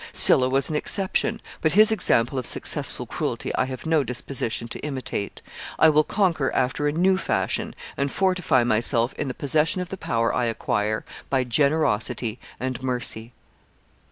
Sylla was an exception; but his example of successful cruelty I have no disposition to imitate. I will conquer after a new fashion, and fortify myself in the possession of the power I acquire by generosity and mercy."